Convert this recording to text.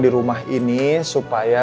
di rumah ini supaya